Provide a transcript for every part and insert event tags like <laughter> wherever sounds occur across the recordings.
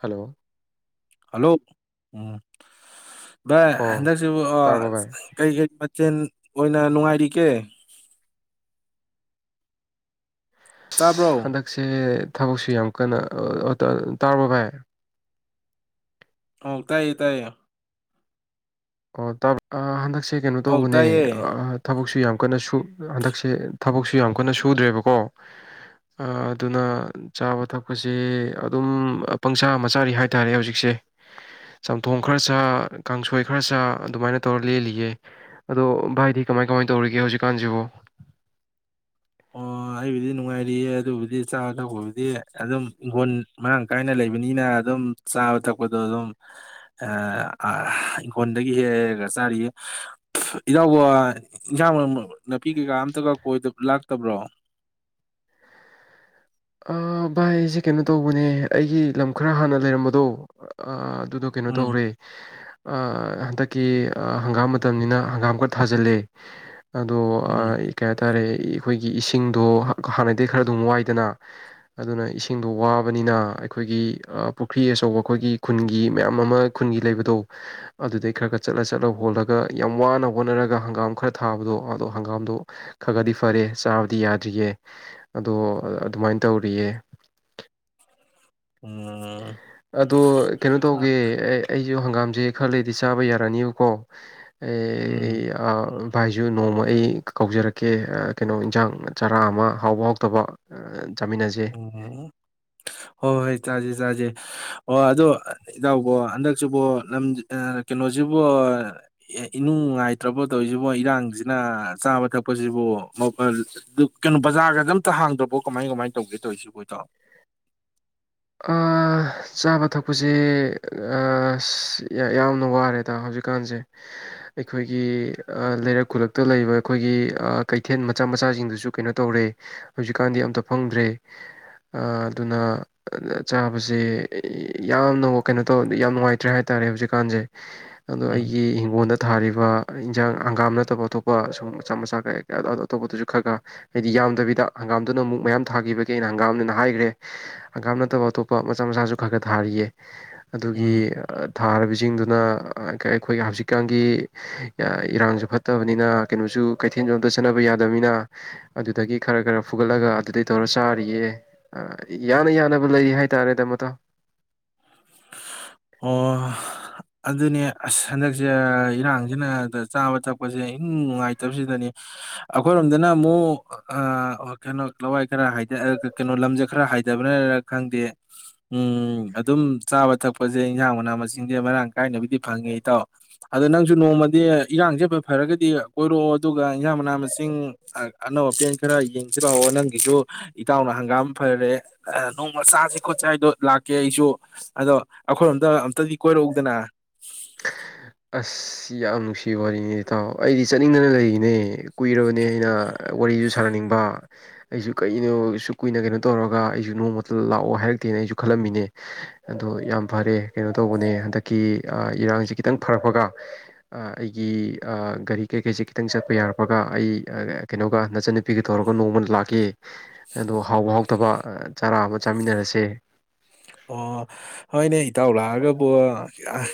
Hello ꯂꯣ ꯎꯝ ꯚꯥꯏ ꯑꯣ ꯍꯟꯗꯛꯁꯤꯕꯨ ꯑ ꯇꯥꯔꯕꯣ ꯚꯥꯏ ꯀꯩ ꯀꯩ ꯃꯊꯦꯟ ꯑꯣꯏꯅ ꯅꯨꯡꯉꯥꯏꯔꯤꯀꯦ ꯇꯥꯕ꯭ꯔꯣ ꯑꯁ ꯍꯟꯗꯛꯁꯦ ꯊꯕꯛꯁꯤ ꯌꯥꯝ ꯀꯟꯅ ꯑ ꯑ ꯇ ꯑ ꯇꯥꯔꯕꯣ ꯚꯥꯏ ꯑꯧ ꯇꯥꯏꯌꯦ ꯇꯥꯏꯌꯦ ꯑꯣ ꯇꯕꯔ ꯑ ꯍꯟꯗꯛꯁ ꯁꯤ ꯀꯩꯅꯣ ꯑꯧ ꯇꯧꯕꯅꯦ ꯇꯥꯏꯌꯦ ꯑ ꯑ ꯊꯕꯛ ꯁꯤ ꯌꯝ ꯀꯟꯅ ꯁꯨ ꯑ ꯍꯟꯇꯛꯁꯦ ꯊꯕꯛꯁꯨ ꯌꯥꯝ ꯀꯟꯅ ꯁꯨꯗ꯭ꯔꯦꯕꯀꯣ ꯑ ꯑꯗꯨꯅ ꯆꯥꯕ ꯊꯛꯄꯁꯦ ꯑꯗꯨꯝ ꯄꯪꯆꯥ ꯃꯆꯥꯔꯤ ꯍꯥꯏꯇꯥꯔꯦ ꯍꯧꯖꯤꯛꯁꯦ ꯆꯝꯊꯣꯡ ꯈꯔ ꯆ ꯀꯥꯡꯁꯣꯏ ꯈꯔ ꯆꯥ ꯑꯗꯨꯃꯥꯏꯅ ꯇꯧꯔ ꯂꯦꯜꯂꯤꯌꯦ ꯑꯗꯣ ꯚꯥꯏꯗꯤ ꯀꯃꯥꯏ ꯀꯃꯥꯏ ꯇꯧꯔꯤꯒꯦ ꯍꯧꯖꯤꯛꯀꯥꯟꯁꯤꯕꯨ ꯑꯣ ꯑꯩꯕꯨꯗꯤ ꯅꯨꯡꯉꯥꯏꯔꯤꯌꯦ ꯑꯗꯨꯕꯨꯗꯤ ꯆꯥꯕ ꯊꯛꯄꯕꯨꯗꯤ ꯑꯗꯨꯝ ꯏꯪꯈꯣꯜ ꯃꯔꯥꯡ ꯀꯥꯏꯅ ꯂꯩꯕꯅꯤꯅ ꯑꯗꯨꯝ ꯆꯥꯕ ꯊꯛꯄꯗꯣ ꯑꯗꯨꯝ ꯑ ꯑꯥꯍ ꯏꯪꯈꯣꯜꯗꯒꯤ ꯍꯦꯛꯑ ꯍꯦꯛꯑꯒ ꯆꯥꯔꯤꯌꯦ ꯏꯅꯥꯎꯕꯨ ꯏꯟꯖꯥꯡ ꯃꯅꯝ ꯅꯥꯄꯤ ꯀꯩꯀꯥ ꯑꯝꯇꯒ ꯀꯣꯏꯗ ꯂꯥꯛ ꯇꯕ꯭ꯔꯣ ꯑ ꯚꯥꯏꯁꯦ ꯀꯩꯅꯣ ꯇꯧꯕꯅꯦ ꯑꯩꯒꯤ ꯂꯝ ꯈꯔ ꯍꯥꯟꯅ ꯂꯩꯔꯝꯕꯗꯣ ꯑꯥ ꯗꯨꯗꯣ ꯀꯩꯅꯣ ꯎꯝ ꯇꯧꯔꯦ ꯑ ꯍꯟꯗꯛꯀꯤ ꯍꯪꯒꯥꯝ ꯃꯇꯝꯅꯤꯅ ꯍꯪꯒꯥꯝ ꯈꯔ ꯊꯥꯖꯤꯜꯂꯦ꯫ ꯑꯗꯣ ꯎꯝ ꯀꯩ ꯍꯥꯏꯇꯥꯔꯦ꯫ ꯑꯩꯈꯣꯏꯒꯤ ꯏꯁꯤꯡꯗꯣ ꯍꯥꯟꯅꯗꯤ ꯈꯔ ꯑꯗꯨꯝ ꯋꯥꯏꯗꯅ꯫ ꯑꯗꯨꯅ ꯏꯁꯤꯡꯗꯣ ꯋꯥꯕꯅꯤꯅ ꯑꯩꯈꯣꯏꯒꯤ ꯄꯨꯈ꯭ꯔꯤ ꯑꯆꯧꯕ ꯑꯩꯈꯣꯏꯒꯤ ꯈꯨꯟꯒꯤ ꯃꯌꯥꯝ ꯑꯃ ꯈꯨꯟꯒꯤ ꯂꯩꯕꯗꯣ ꯑꯗꯨꯗꯩ ꯈꯔ ꯈꯔ ꯆꯠꯂ ꯆꯠꯂ ꯍꯣꯜꯂꯒ ꯌꯥꯝ ꯋꯥꯅ ꯍꯣꯠꯅꯔꯒ ꯍꯪꯒꯥꯝ ꯈꯔ ꯊꯥꯕꯗꯣ ꯑꯗꯣ ꯍꯪꯒꯥꯝꯗꯣ ꯈꯒꯗꯤ ꯐꯔꯦ ꯆꯥꯕꯗꯤ ꯌꯥꯗ꯭ꯔꯤꯌꯦ ꯑꯗꯣ ꯑꯗꯨꯃꯥꯏꯅ ꯇꯧꯔꯤꯌꯦ꯫ ꯎꯝ꯫ ꯑꯗꯣ ꯀꯩꯅꯣ ꯇꯧꯒꯦ ꯑꯩ ꯑꯗꯣ ꯍꯪꯒꯥꯝꯁꯦ ꯈꯔ ꯂꯩꯗꯤ ꯆꯥꯕ ꯌꯥꯔꯛꯑꯅꯤꯕꯀꯣ ꯑꯦ ꯑꯩ ꯎꯝ ꯑꯥ ꯚꯥꯏꯁꯨꯨ ꯅꯣꯡꯃ ꯑꯩ ꯀꯧꯖꯔꯛꯀꯦ ꯀꯩꯅꯣ ꯏꯟꯖꯥꯡ ꯆꯔꯥ ꯑꯃ ꯍꯥꯎꯕ ꯍꯥꯎꯇꯕ ꯑ ꯎꯝ ꯍꯣꯏ ꯍꯣꯏ ꯆꯥꯁꯦ ꯆꯥꯁꯦ ꯑꯣ ꯑꯗꯣ ꯏꯇꯥꯎ ꯀꯣ ꯍꯟꯗꯛꯁꯨ ꯀꯣ ꯂꯝ ꯀꯩꯅꯣꯁꯤꯕꯨ ꯏꯅꯨꯡ ꯅꯨꯉꯥꯏꯇ꯭ꯔꯕꯣ ꯇꯧꯔꯤꯁꯤꯕꯣ ꯏꯔꯥꯡꯁꯤꯅ ꯆꯥꯕ ꯊꯛꯄꯁꯤꯕꯨ ꯀꯩꯅꯣ ꯕꯖꯥꯔꯒꯖꯦ ꯑꯝꯇ ꯍꯥꯡꯗ꯭ꯔꯕꯣ ꯀꯃꯥꯏ ꯀꯃꯥꯏ ꯇꯧꯒꯦ ꯇꯧꯋꯤꯁꯦꯀꯣ ꯏꯇꯥꯎ꯫ ꯑꯥ ꯆꯥꯕ ꯊꯛꯄꯁꯤ ꯑꯥꯁ ꯌꯥ ꯌꯥꯝꯅ ꯋꯥꯔꯦꯗ ꯍꯧꯖꯤꯛꯀꯥꯟꯁꯦ ꯑꯩꯈꯣꯏꯒꯤ ꯑꯥ ꯂꯩꯔꯛ ꯈꯨꯂꯛꯇ ꯂꯩꯕ ꯑꯩꯈꯣꯏꯒꯤ ꯀꯩꯊꯦꯟ ꯃꯆꯥ ꯃꯆꯥꯁꯤꯡꯗꯨꯁꯨ ꯀꯩꯅꯣ ꯇꯧꯔꯦ ꯍꯧꯖꯤꯛꯀꯥꯟꯗꯤ ꯑꯝꯇ ꯐꯝꯗ꯭ꯔꯦ ꯁꯥ ꯑꯗꯨꯅ ꯑꯗ ꯆꯥꯕꯁꯦ ꯌꯦ ꯌꯥꯝꯅ ꯋꯥ ꯀꯩꯅꯣ ꯇꯧ ꯌꯥꯝ ꯅꯨꯡꯉꯥꯏꯇ꯭ꯔꯦ ꯍꯥꯏꯇꯥꯔꯦ ꯍꯧꯖꯤꯛꯀꯥꯟꯁꯦ꯫ ꯑꯗꯣ ꯎꯝ ꯑꯩꯒꯤ ꯍꯤꯡꯒꯣꯟꯗ ꯊꯥꯔꯤꯕ ꯏꯟꯖꯥꯡ ꯍꯪꯒꯥꯝ ꯅꯠꯇꯕ ꯑꯇꯣꯞꯄ ꯁꯨꯝ ꯃꯆꯥ ꯃꯆꯥ ꯀꯩ ꯀꯌꯥ ꯀ ꯑꯇꯣꯞꯄꯗꯁꯨ ꯈꯔ ꯈꯔ ꯍꯥꯏꯗꯤ ꯌꯥꯝꯗꯕꯤꯗ ꯍꯪꯒꯥꯝꯗꯨꯅ ꯃꯨꯛ ꯃꯌꯥꯝ ꯊꯥꯒꯤꯕꯒꯤ ꯑꯩꯅ ꯍꯪꯒꯥꯝꯅꯦꯅ ꯍꯥꯏꯒ꯭ꯔꯦ꯫ ꯍꯪꯒꯥꯝ ꯅꯠꯇꯕ ꯑꯇꯣꯞꯄ ꯃꯆꯥ ꯃꯆꯥꯁꯨ ꯈꯔ ꯈꯔ ꯊꯥꯔꯤꯌꯦ꯫ ꯑꯗꯨꯒꯤ ꯎꯝ ꯑꯥ꯫ ꯊꯥꯔꯕꯁꯤꯡꯗꯨꯅ ꯑꯥ ꯑꯩꯈꯣꯏ ꯍꯧꯖꯤꯛꯀꯥꯟꯒꯤ ꯏꯔꯥꯡꯁꯨ ꯐꯠꯇꯕꯅꯤꯅ ꯀꯩꯅꯣꯁꯨ ꯀꯩꯊꯦꯜꯁꯨ ꯑꯝꯇ ꯆꯠꯅꯕ ꯌꯥꯗꯕꯅꯤꯅ ꯑꯗꯨꯗꯒꯤ ꯈꯔ ꯈꯔ ꯐꯨꯒꯠꯂꯒ ꯑꯗꯨꯗꯩ ꯇꯧꯔ ꯆꯥꯔꯤꯌꯦ ꯑꯥ ꯌꯥꯅ ꯌꯥꯅꯕ ꯂꯩꯔꯤ ꯍꯥꯏꯇꯥꯔꯦꯗ ꯃꯇꯥꯎ꯫ ꯑꯣ ꯑꯗꯨꯅꯦ ꯑꯁ ꯍꯟꯗꯛꯁꯦ ꯏꯔꯥꯡꯖꯤꯅ ꯆꯥꯕ ꯊꯛꯄꯁꯦ ꯏꯅꯪ ꯅꯨꯡꯉꯥꯏꯇꯕꯁꯤꯗꯅꯤ ꯑꯩꯈꯣꯏꯔꯣꯝꯗꯅ ꯑꯃꯨꯛ ꯑꯥ ꯀꯩꯅꯣ ꯂꯋꯥꯏ ꯈꯔ ꯍꯥꯏꯗ ꯑꯥ ꯀ ꯂꯝꯖꯦ ꯈꯔ ꯍꯥꯏꯗꯕꯅꯔ ꯈꯪꯗꯦ ꯎꯝ ꯑꯗꯨꯝ ꯆꯥꯕ ꯊꯛꯄ ꯈꯣꯁꯦ ꯏꯟꯖꯥꯡ ꯃꯅꯥ ꯃꯁꯤꯡꯁꯦ ꯃꯔꯥꯡ ꯀꯥꯏꯅꯕꯨꯗꯤ ꯐꯪꯉꯦ ꯏꯇꯥꯎ ꯑꯗꯣ ꯅꯪꯁꯨ ꯅꯣꯡꯃꯗꯤ ꯏꯔꯥꯡꯁꯦ ꯐ ꯐꯔꯒꯗꯤ ꯀꯣꯏꯔꯛꯑꯣ ꯑꯗꯨꯒ ꯏꯟꯖꯥꯡ ꯃꯅꯥ ꯃꯁꯤꯡ ꯑꯅꯧ ꯑꯄꯦꯟ ꯈꯔ ꯌꯦꯡꯖꯤꯂꯥꯑꯣ ꯅꯪꯒꯤꯁꯨ ꯏꯇꯥꯎꯅ ꯍꯪꯒꯥꯝ ꯐꯔꯦ ꯑꯍ ꯅꯣꯡꯃ ꯆꯥꯥꯁꯦ ꯈꯣꯠꯁꯦ ꯍꯥꯏꯗꯣ ꯂꯥꯛꯀꯦ ꯑꯩꯁꯨ ꯑꯗꯣ ꯑꯩꯈꯣꯏꯔꯣꯝꯗ ꯑꯝꯇꯗꯤ ꯀꯣꯏꯔꯛꯎꯗꯅ꯫ ꯑꯁ ꯌꯥꯝ ꯅꯨꯡꯁꯤꯕ ꯋꯥꯔꯤꯅꯦ ꯏꯇꯥꯎ ꯑꯩꯗꯤ ꯆꯠꯅꯤꯡꯗꯅ ꯂꯩꯔꯤꯅꯦ꯫ ꯀꯨꯏꯔꯕꯅꯦ ꯑꯩꯅ ꯋꯥꯔꯤꯁꯨ ꯁꯥꯟꯅꯅꯤꯡꯕ꯫ ꯑꯩꯁꯨ ꯀꯩꯅꯣ ꯁꯨꯛ ꯀꯨꯏꯅ ꯀꯩꯅꯣ ꯇꯧꯔꯒ ꯑꯩꯁꯨ ꯅꯣꯡꯃꯇ ꯂꯥꯛꯑꯣ ꯍꯥꯏꯔꯛꯇꯦꯅ ꯑꯩꯁꯨ ꯈꯜꯂꯝꯃꯤꯅꯦ ꯑꯗꯣ ꯌꯥꯝ ꯐꯔꯦ ꯀꯩꯅꯣ ꯇꯧꯕꯅꯦ ꯍꯟꯗꯛꯀꯤ ꯑꯥ ꯏꯔꯥꯡꯁꯦ ꯈꯤꯇꯪ ꯐꯔꯛꯄꯒ ꯑꯩꯒꯤ ꯑꯥ ꯒꯥꯔꯤ ꯀꯩꯀꯩꯁꯦ ꯈꯤꯇꯪ ꯆꯠꯄ ꯌꯥꯔꯛꯄꯒ ꯑꯩ ꯑꯥ ꯀꯩꯅꯣꯒ ꯅꯆꯟꯅꯨꯄꯤꯒ ꯇꯧꯔꯒ ꯅꯣꯡꯃ ꯂꯥꯛꯀꯦ ꯑꯗꯣ ꯍꯥꯎꯕ ꯍꯥꯎꯊꯕ ꯆꯥꯔꯥ ꯑꯃ ꯆꯥꯃꯤꯟꯅꯔꯁꯦ꯫ ꯑꯣ ꯍꯣꯏꯅꯦ ꯏꯇꯥꯎ ꯂꯥꯛꯑꯒꯕꯨ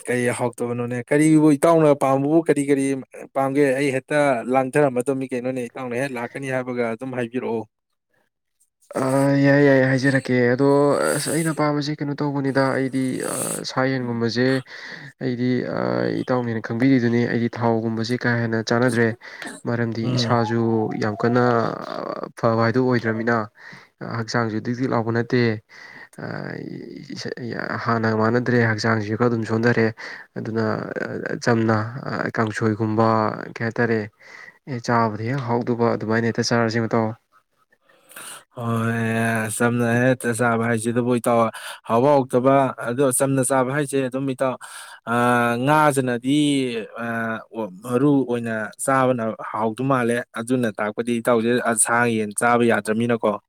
ꯀꯩ ꯍꯥꯎꯇꯕꯅꯣꯅꯦ ꯀꯔꯤꯕꯨ ꯏꯇꯥꯎꯅ ꯄꯥꯝꯕꯕꯨ ꯀꯔꯤ ꯀꯔꯤ ꯄꯥꯝꯒꯦ ꯑꯩ ꯍꯦꯛꯇ ꯂꯥꯡꯊꯔꯝꯃꯗꯝꯅꯤ ꯀꯩꯅꯣꯅꯦ ꯏꯇꯥꯎꯅ ꯍꯦꯛ ꯂꯥꯛꯀꯅꯤ ꯍꯥꯏꯕꯒ ꯑꯗꯨꯝ ꯍꯥꯏꯕꯤꯔꯛꯑꯣ꯫ ꯑꯥ ꯌꯥꯏ ꯌꯥꯏ ꯍꯥꯏꯖꯔꯛꯀꯦ ꯑꯗꯣ ꯑꯁ ꯑꯩꯅ ꯄꯥꯝꯕꯁꯤ ꯀꯩꯅꯣ ꯇꯧꯕꯅꯤꯗ ꯑꯩꯗꯤ ꯑꯥ ꯁꯥ ꯌꯦꯟꯒꯨꯝꯕꯁꯦ ꯑꯩꯗꯤ ꯑꯥ ꯏꯇꯥꯎꯅꯦꯅ ꯈꯪꯕꯤꯔꯤꯗꯨꯅꯤ ꯑꯩꯗꯤ ꯊꯥꯎꯒꯨꯝꯕꯕꯁꯤ ꯀꯥ ꯍꯦꯟꯅ ꯆꯥꯟꯅꯗ꯭ꯔꯦ ꯃꯔꯝꯗꯤ ꯎꯝ ꯏꯁꯥꯁꯨ ꯌꯥꯝ ꯀꯟꯅ ꯐꯕ ꯍꯥꯏꯗꯨ ꯑꯣꯏꯗ꯭ꯔꯃꯤꯅ ꯍꯛꯆꯥꯡꯁꯨ ꯗꯤꯛ ꯗꯤꯛ ꯂꯥꯎꯕ ꯅꯠꯇꯦ ꯍꯥꯟꯅꯒ ꯃꯥꯟꯅꯗ꯭ꯔꯦ ꯍꯛꯆꯥꯡꯁꯤꯁꯨ ꯈꯔ ꯑꯗꯨꯝ ꯁꯣꯟꯊꯔꯦ ꯑꯗꯨꯅ ꯆꯝꯅ ꯀꯥꯡꯁꯣꯏꯒꯨꯝꯕ ꯀꯩ ꯍꯥꯏꯇꯥꯔꯦ ꯍꯦꯛ ꯆꯥꯕꯗ ꯍꯦꯛ ꯍꯥꯎꯗꯕ ꯑꯗꯨꯃꯥꯏꯅ ꯍꯦꯛꯇ ꯆꯥꯔꯁ ꯃꯇꯥꯎ ꯍꯣꯏ ꯆꯝꯅ ꯍꯦꯛꯇ ꯆꯥꯕ ꯍꯥꯏꯁꯤꯗꯕꯨ ꯏꯇꯥꯎ ꯍꯥꯎꯕ ꯍꯥꯎꯇꯕ ꯑꯗꯣ ꯆꯝꯅ ꯆꯥꯕ ꯍꯥꯏꯁꯦ ꯑꯗꯨꯝ ꯏꯇꯥꯎ ꯉꯥꯁꯤꯅꯗꯤ ꯃꯔꯨ ꯑꯣꯏꯅ ꯆꯥꯕꯅ ꯍꯥꯎꯗ ꯃꯥꯜꯂꯦ ꯑꯗꯨꯅ ꯇꯥꯛꯄꯗꯤ ꯏꯇꯥꯎꯁꯦ ꯁꯥ ꯌꯦꯟ ꯆꯥꯕ ꯌꯥꯗꯦ ꯌꯥꯗꯔꯝꯃꯤꯅꯀꯣ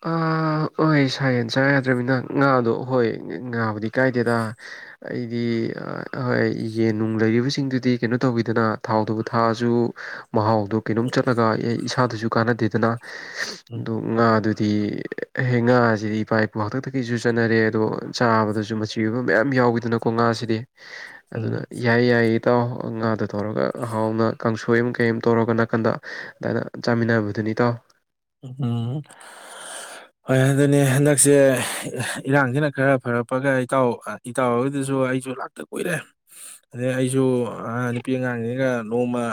ꯑ ꯍꯣꯏ ꯁꯥ ꯌꯦꯟ ꯆꯥ ꯌꯥꯗ꯭ꯔꯃꯤꯅ ꯉꯥꯗꯣ ꯍꯣꯏ ꯉꯥꯕꯨꯗꯤ ꯀꯥꯏꯗꯦꯗ ꯑꯩꯗꯤ ꯍꯣꯏ ꯌꯦꯟ ꯅꯨꯡ ꯂꯩꯔꯤꯕꯁꯤꯡꯗꯨꯗꯤ ꯀꯩꯅꯣ ꯇꯧ ꯏꯗꯅꯥ ꯊꯥꯎꯗꯕꯨ ꯊꯥꯛꯑꯁꯨ ꯃꯍꯥꯎꯗꯨ ꯀꯩꯅꯣꯝ ꯆꯠꯂꯒ ꯏꯁꯥꯗꯁꯨ ꯀꯥꯅꯥꯗꯦꯗꯅ ꯎꯝ ꯑꯗꯨ ꯉꯥꯗꯨ ꯗꯤ ꯉꯥꯁꯤꯗꯤ ꯏꯄꯥ ꯏꯄꯨ ꯍꯥꯛꯇꯛꯇꯒꯤꯁꯨ ꯆꯠꯅꯔꯦ ꯑꯗꯣ ꯆꯥꯕꯗꯁꯨ ꯃꯆꯤ ꯑꯣꯏꯕ ꯃꯌꯥꯝ ꯌꯥꯎꯏꯗꯅꯀꯣ ꯉꯥꯁꯤꯗꯤ ꯑꯗꯨꯅ ꯎꯝ ꯌꯥꯏ ꯌꯥꯏ ꯏꯇꯥꯎ ꯉꯥꯗꯣ ꯇꯧꯔꯒ ꯍꯥꯎꯅ ꯀꯥꯡꯁꯣꯏ ꯑꯃ ꯀꯩ ꯑꯃ ꯇꯧꯔꯒ ꯅꯥꯀꯟꯗ ꯑꯗꯥꯏꯅ ꯆꯥꯃꯤꯟꯅꯕꯗꯨꯅꯤ ꯇꯥꯎ ꯎꯝ ꯍꯣꯏ ꯑꯗꯨꯅꯦ ꯍꯟꯗꯛꯁꯦ ꯏꯔꯥꯡꯁꯤꯅ ꯈꯔ ꯐꯔꯛꯄꯒ ꯏꯇꯥꯎ ꯏꯇꯥꯎ ꯍꯣꯏꯗꯨꯁꯨ ꯑꯩꯁꯨ ꯂꯥꯛꯇ ꯀꯨꯏꯔꯦ ꯑꯗꯩ ꯑꯩꯁꯨ ꯅꯨꯄꯤ ꯑꯉꯥꯡꯁꯤꯒ ꯅꯣꯡꯃ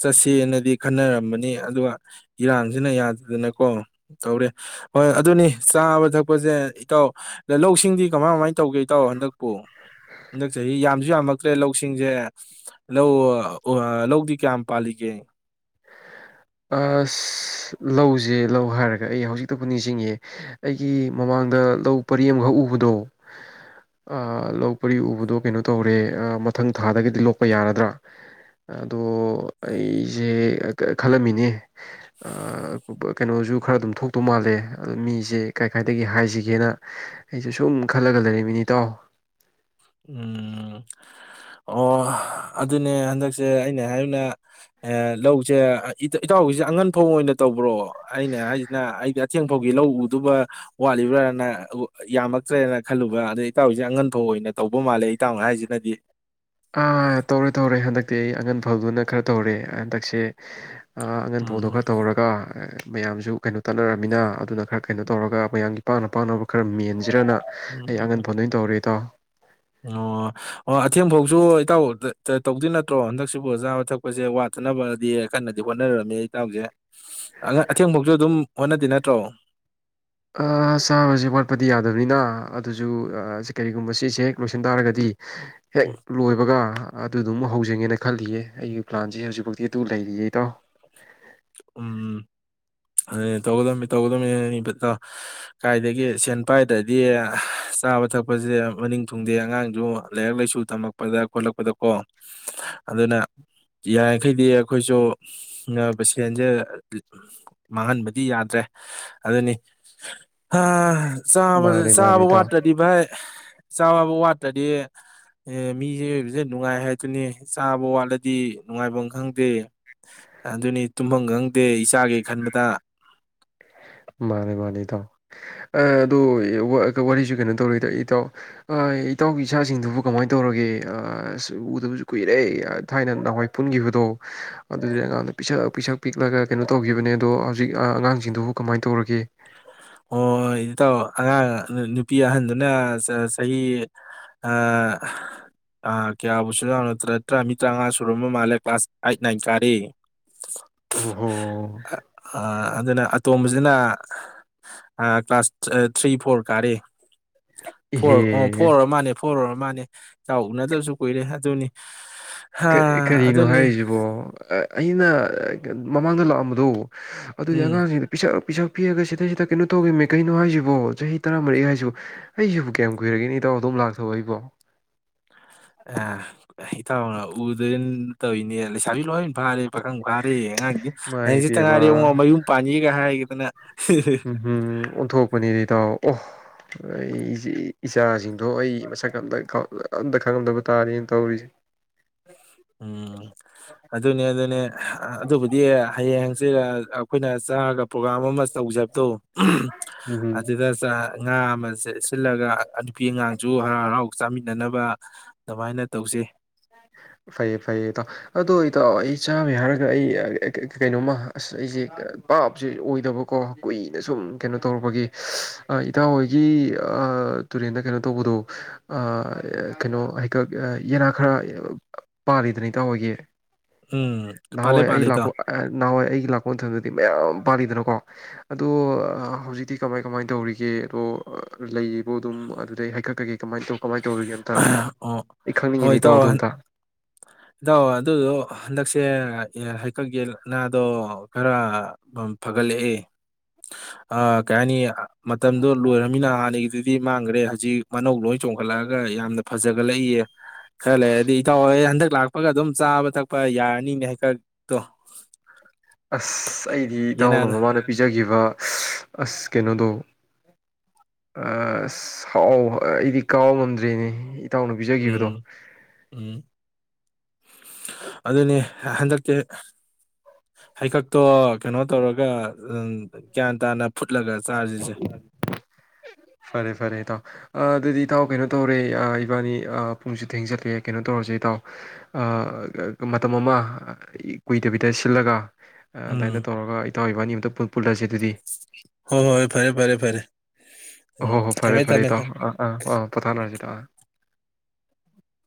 ꯆꯠꯁꯦꯅꯗꯤ ꯈꯟꯅꯔꯝꯕꯅꯤ ꯑꯗꯨꯒ ꯏꯔꯥꯡꯁꯤꯅ ꯌꯗ꯭ꯔꯦ ꯑꯗꯨꯅꯀꯣ ꯇꯧꯔꯦ ꯍꯣꯏ ꯑꯗꯨꯅꯤ ꯆꯥꯕ ꯊꯛꯄꯁꯦ ꯏꯇꯥꯎ ꯂꯧꯁꯤꯡꯗꯤ ꯀꯃꯥꯏ ꯀꯃꯥꯏ ꯇꯧꯒꯦ ꯏꯇꯥꯎ ꯍꯟꯗꯛꯄꯨ ꯍꯟꯗꯛ ꯆꯍꯤ ꯌꯥꯝꯁꯨ ꯌꯥꯝꯃꯛꯇ꯭ꯔꯦ ꯂꯧꯁꯤꯡꯖꯦ ꯂꯧ ꯂꯧꯗꯤ ꯀꯌꯥꯝ ꯄꯥꯜꯂꯤꯒꯦ ꯑꯁ ꯂꯧꯁꯦ ꯂꯧ ꯍꯥꯏꯔꯒ ꯑꯩ ꯍꯧꯖꯤꯛꯛꯇꯕꯨ ꯅꯤꯡꯁꯤꯡꯉꯦ ꯑꯩꯒꯤ ꯃꯃꯥꯡꯗ ꯂꯧ ꯄꯔꯤ ꯑꯃꯈꯛ ꯎꯕꯗꯣ ꯂꯧ ꯄꯔꯤ ꯎꯕꯗꯣ ꯀꯩꯅꯣ ꯇꯧꯔꯦ ꯑꯥ ꯃꯊꯪ ꯊꯥꯗꯒꯗꯤ ꯂꯣꯛꯄ ꯌꯥꯔꯗ꯭ꯔꯥ ꯑꯗꯣ ꯑꯩꯁꯦ ꯈꯜꯂꯝꯃꯤꯅꯦ ꯑ ꯀꯩꯅꯣꯁꯨ ꯈꯔ ꯑꯗꯨꯝ ꯊꯣꯛꯇꯧ ꯃꯥꯜꯂꯦ ꯑꯗ ꯃꯤꯁꯦ ꯀꯥꯏ ꯀꯥꯏꯗꯒꯤ ꯍꯥꯏꯁꯤꯒꯦꯅ ꯑꯩꯁꯦ ꯁꯨꯝ ꯈꯜꯂꯒ ꯂꯩꯔꯝꯃꯤ ꯏꯇꯥꯎ꯫ ꯎꯝ ꯑꯣ ꯑꯗꯨꯅꯦ ꯍꯟꯗꯛꯁꯦ ꯑꯩꯅ ꯍꯥꯏꯅ ꯂꯧꯁꯦ ꯏꯇꯥꯎꯒꯤꯁꯦ ꯑꯉꯟꯐꯧ ꯑꯣꯏꯅ ꯇꯧꯕ꯭ꯔꯣ ꯑꯩꯅ ꯍꯥꯏꯁꯤꯅ ꯑꯩꯒꯤ ꯑꯊꯦꯡ ꯑꯥꯈꯣꯏꯒꯤ ꯂꯧ ꯎꯗꯨꯕ ꯋꯥꯠꯂꯤꯕ꯭ꯔꯥꯅ ꯌꯥꯝꯃꯛꯇ꯭ꯔꯦꯅ ꯈꯜꯂꯨꯕ ꯑꯗꯩ ꯏꯇꯥꯎꯒꯤꯁꯦ ꯑꯉꯟ ꯐꯧ ꯑꯣꯏꯅ ꯇꯧꯕ ꯃꯥꯜꯂꯦ ꯏꯇꯥꯑꯣꯟ ꯍꯥꯏꯖꯤꯅꯗꯤ ꯑꯥ ꯇꯧꯔꯦ ꯇꯧꯔꯦ ꯍꯟꯗꯛꯇꯤ ꯑꯩ ꯑꯉꯟ ꯐꯗꯨꯅ ꯈꯔ ꯇꯧꯔꯦ ꯍꯟꯗꯛꯁꯦ ꯑꯥ ꯑꯌꯦꯟꯐꯧꯗꯣ ꯎꯝ ꯈꯔ ꯇꯧꯔꯒ ꯃꯌꯥꯝꯁꯨ ꯀꯩꯅꯣ ꯇꯠꯅꯔꯝꯃꯤꯅ ꯑꯗꯨꯅ ꯈꯔ ꯀꯩꯅꯣ ꯇꯧꯔꯒ ꯃꯌꯥꯝꯒꯤ ꯄꯥꯅ ꯄꯥꯅꯕ ꯈꯔ ꯃꯦꯟ ꯖꯤꯔꯅ ꯑꯩ ꯎꯝ, ꯑꯉꯟ ꯐꯧꯗꯨ ꯑꯣꯏꯅ ꯇꯧꯔꯦ ꯏꯇꯥꯎ꯫ ꯑꯣ ꯑꯣ ꯑꯊꯦꯡꯐꯧꯁꯨ ꯏꯇꯥꯎ ꯇꯧꯗꯣꯏ ꯅꯠꯇ꯭ꯔꯣ ꯍꯟꯗꯛꯁꯤꯕꯨ ꯆꯥꯕ ꯊꯛꯄꯁꯦ ꯋꯥꯠꯇꯅꯕꯗꯤ ꯀꯟꯅꯗꯤ ꯍꯣꯠꯅꯔꯔꯝꯃꯤ ꯏꯇꯥꯎꯁꯦ ꯑ ꯑꯊꯦꯡꯕꯧꯁꯨ ꯑꯗꯨꯝ ꯍꯣꯠꯅ ꯇꯤꯅ ꯇꯔꯣ ꯑ ꯆꯥꯕꯁꯦ ꯋꯥꯠꯄꯗꯤ ꯌꯥꯗꯕꯅꯤꯅ ꯑꯗꯨꯁꯨ ꯁꯤ ꯀꯔꯤꯒꯨꯝꯕ ꯁꯤꯁꯦ ꯍꯦꯛ ꯂꯣꯏꯁꯤꯟ ꯇꯥꯔꯒꯗꯤ ꯍꯦꯛ ꯂꯣꯏꯕꯒꯥ ꯑꯗꯨꯗꯨ ꯑꯃꯨꯛ ꯍꯧꯖꯤꯟꯒꯦ ꯈꯜꯂꯤꯌꯦ ꯑꯩꯒꯤ ꯄ꯭ꯂꯥꯟꯁꯦ ꯍꯧꯖꯤꯛꯐꯥꯎꯤ ꯑꯗꯨ ꯂꯩꯔꯤꯌꯦ ꯏꯇꯥꯎ ꯎꯝ ꯑꯗꯨꯅꯦ ꯇꯧꯒꯗꯝ ꯇꯧꯒꯗꯝꯅꯤ ꯏꯕꯤꯇꯥ ꯀꯥꯏꯗꯒꯤ ꯁꯦꯟ ꯄꯥꯏ ꯗꯗꯤ ꯆꯥꯕ ꯊꯛꯄꯖꯦ ꯃꯅꯤꯡ ꯊꯨꯡꯗꯦ ꯑꯉꯥꯡꯁꯨ ꯂꯥꯏꯔꯤꯛ ꯂꯥꯏꯁꯨ ꯇꯝꯃꯛꯄꯗ ꯈꯣꯠꯂꯛꯄꯗꯀꯣ ꯑꯗꯨꯅ ꯌꯥꯔꯤꯈꯩꯗꯤ ꯑꯩꯈꯣꯏꯁꯨ ꯁꯦꯟꯖꯦ ꯃꯥꯡꯍꯟꯕꯗꯤ ꯌꯥꯗ꯭ꯔꯦ ꯑꯗꯨꯅꯤ ꯆꯥꯕꯁꯦ ꯃꯥꯅꯦ ꯃꯥꯅꯦ ꯆꯥꯕ ꯏꯇꯥꯎ ꯋꯥꯠꯇ꯭ꯔꯗꯤ ꯚꯥꯏ- ꯆꯥꯕ ꯋꯥꯠꯇ꯭ꯔꯗꯤ ꯃꯤꯁꯦ ꯅꯨꯡꯉꯥꯏ ꯍꯥꯏꯗꯨꯅꯤ ꯆꯥꯕ ꯋꯥꯠꯂꯗꯤ ꯅꯨꯡꯉꯥꯏꯐꯝ ꯈꯪꯗꯦ ꯑꯗꯨꯅꯤ ꯇꯨꯝꯐꯝ ꯈꯪꯗꯦ ꯏꯆꯥꯒꯤ ꯈꯟꯕꯗꯥ ꯃꯥꯅꯦ ꯃꯥꯅꯦ ꯏꯇꯥꯎ ꯑꯗꯣ ꯋꯥꯔꯤꯁꯨ ꯀꯩꯅꯣ ꯇꯧꯔꯤꯗ ꯏꯇꯥꯎ ꯏꯇꯥꯎꯒꯤ ꯏꯆꯥꯁꯤꯡꯗꯨꯕꯨ ꯀꯃꯥꯏꯅ ꯇꯧꯔꯒꯦ ꯑꯖ ꯎꯗꯕꯁꯨ ꯀꯨꯏꯔꯦ ꯊꯥꯏꯅ ꯅꯍꯥꯟꯋꯥꯏ ꯄꯨꯟꯈꯤꯕꯗꯣ ꯑꯗꯨꯗꯤ ꯑꯉꯥꯡꯗ ꯄꯤꯁꯛ ꯄꯤꯁꯛ ꯄꯤꯛꯂꯒ ꯀꯩꯅꯣ ꯇꯧꯈꯤꯕꯅꯦ ꯑꯗꯣ ꯍꯧꯖꯤꯛ ꯑꯉꯥꯡꯁꯤꯡ ꯁꯤꯡꯗꯨꯕꯨ ꯀꯃꯥꯏꯅ ꯇꯧꯔꯒꯦ ꯍꯣꯏ ꯍꯣꯏ ꯍꯣꯏ ꯏꯇꯥꯎ ꯑꯉꯥꯡ ꯅꯨꯄꯤ ꯑꯍꯟꯗꯨꯅ ꯆꯍꯤ ꯀꯌꯥꯕꯨꯁꯨ ꯌꯥꯅꯠꯇ꯭ꯔ ꯇꯔꯥ ꯃꯤ ꯇꯔꯥꯃꯉꯥ ꯁꯨꯝꯕ ꯃꯥꯜꯂꯦ ꯀ꯭ꯂꯥꯁ ꯑꯥꯏꯠ ꯅꯥꯏꯟ ꯀꯥꯔꯤ ꯑꯣꯍꯣ ꯑ ꯑꯗꯨꯅ ꯇꯣꯝꯕꯁꯤꯅ ꯑ ꯀ꯭ꯂꯥꯁ ꯊ꯭ꯔꯤ ꯐꯣꯔ ꯀꯥꯔꯦ ꯐꯣꯔ ꯑꯣ ꯏꯍꯦ ꯐꯣꯔ ꯑꯣꯏꯔ ꯃꯥꯅꯦ ꯐꯣꯔ ꯑꯣꯏꯔ ꯃꯥꯅꯦ ꯏꯇꯥꯎ ꯎꯅꯗꯕꯁꯨ ꯀꯨꯏꯔꯦ ꯑꯗꯨꯅꯤ ꯍꯥ ꯀꯔꯤꯅꯣ ꯑꯗꯨꯅꯤ ꯍꯥꯏꯔꯤꯁꯤꯕꯣ ꯑꯩꯅ ꯃꯃꯥꯡꯗ ꯂꯥꯛꯑꯝꯕꯗꯣ ꯑꯗꯨꯗꯤ ꯎꯝ ꯑꯉꯥꯡꯁꯤꯡꯗ ꯄꯤꯁꯛ ꯄꯤꯁꯛ ꯄꯤꯔꯒ ꯁꯤꯗꯩꯁꯤꯗ ꯀꯩꯅꯣ ꯇꯧꯈꯤꯕꯅꯦ ꯀꯩꯅꯣ ꯍꯥꯏꯁꯤꯕꯣ ꯆꯍꯤ ꯇꯔꯥꯃꯔꯛꯏ ꯍꯥꯏꯁꯤ ꯑꯩꯁꯤꯕꯨ ꯀꯌꯥꯝ ꯀꯨꯏꯔꯒꯦꯅꯤ ꯏꯇꯥꯎ ꯑꯗꯨꯝ ꯂꯥꯛꯊꯣꯛꯑꯣ ꯑꯩꯕꯣ ꯑ ꯏꯇꯥꯎꯅ ꯎꯗꯅ ꯇꯧꯅꯦ ꯂꯩꯁꯥꯕꯤ ꯂꯣꯏ ꯐꯥꯔꯦ ꯄꯥꯈꯪ ꯐꯥꯔꯦ ꯑꯉꯥꯡꯁꯦ ꯏꯃꯥꯏ ꯍꯌꯦꯡꯇꯥ ꯄꯦꯝꯃ ꯉꯥꯏꯔꯦ ꯌꯦꯡꯉꯣ ꯃꯌꯨꯝ ꯄꯥꯟꯅꯤꯒ ꯍꯥꯏꯒꯗꯅ ꯎꯝ ꯍꯝ ꯑꯣꯟꯊꯣꯛꯄꯅꯤꯗꯤ ꯏꯇꯥꯎ ꯑꯣ ꯑꯩ ꯏꯆꯥꯁꯤꯡꯗꯣ ꯑꯩ ꯃꯁꯛ ꯑꯇ ꯑꯝꯇ ꯈꯪꯉꯝꯗꯕ ꯇꯥꯔꯦꯅ ꯇꯧꯔꯤꯁꯦ ꯎꯝ ꯑꯗꯨꯅꯦ ꯑꯗꯨꯅꯦ ꯑꯗꯨꯕꯨꯗꯤ ꯍꯌꯦꯡ ꯍꯪꯆꯤꯠ ꯑꯩꯈꯣꯏꯅ ꯆꯥꯔꯒ ꯄ꯭ꯔꯣꯒꯥꯝ ꯑꯃ ꯇꯧꯖꯕꯗꯣ ꯎꯝ ꯍꯨꯝ ꯑꯗꯨꯗ ꯆ ꯉꯥ ꯑꯃ ꯆꯦ ꯁꯤꯜꯂꯒ ꯅꯨꯄꯤ ꯑꯉꯥꯡꯁꯨ ꯍꯔꯥꯎ ꯍꯔꯥꯎ ꯆꯥꯃꯤꯟꯅꯅꯕ ꯑꯗꯨꯃꯥꯏꯅ ꯇꯧꯖꯦ ꯐꯩꯌꯦ ꯐꯩꯌꯦ ꯏꯇꯥꯎ ꯑꯗꯣ ꯏꯇꯥꯎ ꯑꯩ ꯆꯥꯕꯩ ꯍꯥꯏꯔꯒ ꯑꯩ ꯀꯩꯅꯣꯃ ꯑꯁ ꯑꯩꯁꯦ ꯄꯥꯞꯁꯦ ꯑꯣꯏꯗꯕꯀꯣ ꯀꯨꯏꯅ ꯁꯨꯝ ꯀꯩꯅꯣ ꯇꯧꯔꯨꯔꯕꯒꯤ ꯏꯇꯥꯎꯍꯣꯏꯒꯤ ꯇꯨꯔꯦꯟꯗ ꯀꯩꯅꯣ ꯇꯧꯕꯗꯣ ꯀꯩꯅꯣ ꯍꯩꯀꯛ ꯌꯦꯅꯥ ꯈꯔ ꯄꯥꯜꯂꯤꯗꯅꯥ ꯇꯥꯑꯣꯏꯒꯤ ꯎꯝ ꯄꯥꯜꯂꯦ ꯅꯍꯥꯟꯋꯥꯏ ꯑꯩ ꯄꯥꯜꯂꯦ ꯏꯇꯥꯎ ꯂꯥꯛꯄ ꯅꯍꯥꯟꯋꯥꯏ ꯑꯩꯒꯤ ꯂꯥꯛꯄꯊꯗꯗꯤ ꯃꯌꯥꯝ ꯄꯥꯜꯂꯤꯗꯅ ꯀꯣ ꯑꯗꯣ ꯍꯧꯖꯤꯛꯇꯤ ꯀꯃꯥꯏ ꯀꯃꯥꯏꯅ ꯇꯧꯔꯤꯒꯦ ꯑꯗꯣ ꯂꯩꯕꯣ ꯑꯗꯨꯝ ꯑꯗꯨꯗꯩ ꯍꯥꯏꯀꯠꯀꯒꯦ ꯀꯃꯥꯏꯅ ꯇꯧ ꯀꯃꯥꯏꯅ ꯇꯧꯔꯤꯒꯦ ꯑꯝꯇ ꯑꯩꯅ ꯑꯣ ꯑꯩ ꯍꯣꯏ ꯈꯪꯅꯤꯡꯉꯤꯅꯤ ꯏꯇꯧ ꯏꯇꯥꯎ ꯑꯗꯣ ꯑꯝꯇ ꯏꯇꯥꯎ ꯑꯗꯨꯗꯣ ꯍꯟꯗꯛꯁꯦ ꯍꯩꯀꯛ ꯌꯦꯅꯥꯗꯣ ꯈꯔ ꯐꯒꯠꯂꯛꯏꯦ ꯀꯩ ꯍꯥꯏꯅꯤ ꯃꯇꯝꯗꯣ ꯂꯣꯏꯔꯃꯤꯅ ꯍꯥꯟꯅꯒꯤꯗꯨꯗꯤ ꯃꯥꯡꯈ꯭ꯔꯦ ꯍꯧꯖꯤꯛ ꯃꯅꯧ ꯂꯣꯏ ꯆꯣꯡꯈꯠꯂꯛꯑꯒ ꯌꯥꯝꯅ ꯐꯖꯒꯠꯂꯛꯏꯌꯦ ꯈꯔ ꯂꯩꯔꯗꯤ ꯏꯇꯥꯎ ꯍꯟꯗꯛ ꯂꯥꯛ ꯊꯛꯄꯒ ꯑꯗꯨꯝ ꯆꯥꯕ ꯊꯛꯄ ꯌꯥꯔꯅꯤꯅꯦ ꯍꯦꯛꯀꯛꯇꯣ ꯑꯁ ꯑꯩꯗꯤ ꯏꯇꯎꯅ ꯃꯃꯥꯅ ꯄꯤꯖꯈꯤꯕ ꯑ ꯑꯁ ꯀꯩꯅꯣꯗꯣ ꯑ ꯑꯁ ꯍꯥꯎ ꯑꯩꯗꯤ ꯀꯥꯎ ꯉꯝꯗ꯭ꯔꯦꯅꯦ ꯏꯇꯥꯎꯅ ꯄꯤꯖꯈꯤꯕꯗꯣ ꯑꯗꯨꯅꯤ ꯍꯟꯗꯛꯛꯇꯤ ꯍꯩꯀꯛꯇꯣ ꯀꯩꯅꯣ ꯇꯧꯔꯒ ꯒ꯭ꯌꯥꯟ ꯇꯥꯅ ꯐꯨꯠ ꯂꯒ ꯆꯥꯔꯖꯁꯦ ꯐꯔꯦ ꯐꯔꯦ ꯏꯇꯥꯎ ꯑꯗꯨꯗꯤ ꯏꯇꯥꯎ ꯀꯩꯅꯣ ꯇꯧꯔꯦ ꯏꯕꯥꯅꯤ ꯄꯨꯡꯁꯨ ꯊꯦꯡꯖꯜꯂꯑꯦ ꯀꯩꯅꯣ ꯇꯧꯔꯁꯦ ꯏꯇꯥꯎ ꯃꯇꯝ ꯑꯃ ꯀꯨꯏꯗꯕꯤꯗ ꯁꯤꯜꯂꯒ ꯎꯝ ꯑꯗꯥꯏꯅ ꯇꯧꯔꯒ ꯏꯇꯥꯎ ꯏꯕꯅꯤ ꯑꯝꯇ ꯄꯨꯜꯂꯁꯦ ꯑꯗꯨꯗꯤ ꯍꯣꯏ ꯍꯣꯏ ꯍꯣꯏ ꯐꯔꯦ ꯐꯔꯦ ꯐꯔꯦ ꯍꯣ ꯎꯝ ꯍꯣꯏ ꯐꯔꯦ ꯊꯝꯃꯦ ꯐꯔꯦ ꯊꯝꯃꯦ ꯊꯝꯃꯦ ꯇꯥꯎ ꯑꯥ ꯑꯥ ꯑꯥ ꯄꯣꯊꯥꯅꯔꯁꯤ ꯇꯥꯏ <unintelligible>